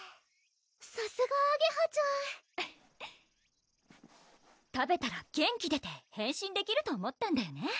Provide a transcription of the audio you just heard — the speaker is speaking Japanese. さすがあげはちゃん食べたら元気出て変身できると思ったんだよね？